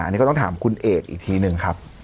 อันนี้ก็ต้องถามคุณเอกอีกทีหนึ่งครับ